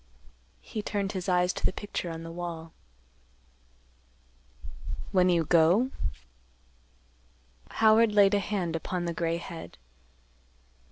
He turned his eyes to the picture on the wall. "When you go?" Howard laid a hand upon the gray head.